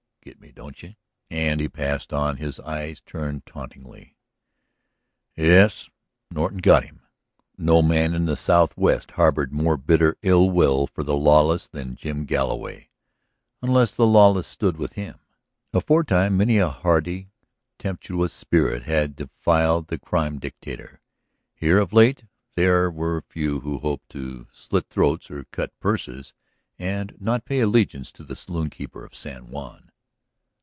Get me, don't you?" and he passed on, his eyes turned tauntingly. Yes, Norton "got" him. No man in the southwest harbored more bitter ill will for the lawless than Jim Galloway ... unless the lawless stood in with him. Aforetime many a hardy, tempestuous spirit had defied the crime dictator; here of late they were few who hoped to slit throats or cut purses and not pay allegiance to the saloon keeper of San Juan.